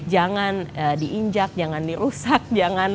jangan diinjak jangan dirusak jangan apa kita benar benar harus